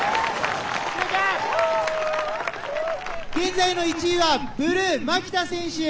現在の１位はブルー牧田選手。